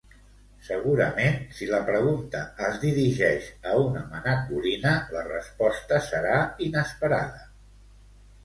Segurament, si la pregunta es dirigeix a una manacorina, la resposta serà inesperada.